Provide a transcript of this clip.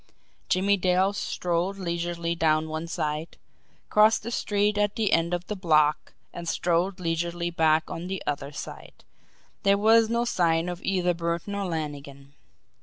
Jimmie Dale strolled leisurely down one side, crossed the street at the end of the block, and strolled leisurely back on the other side there was no sign of either Burton or Lannigan.